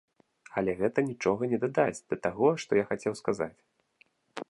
Але гэта нічога не дадасць да таго, што я хацеў сказаць.